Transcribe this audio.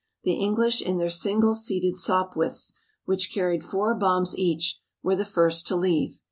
The English in their single seated Sopwiths, which carried four bombs each, were the first to leave.